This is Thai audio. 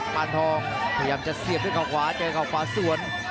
ปานทองพยายามจะเสียบด้วยก่อขวาเจอด้วยก่อขวาส่วน